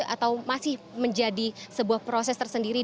atau masih menjadi sebuah proses tersendiri